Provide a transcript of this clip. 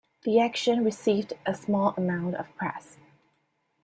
The action received a small amount of press.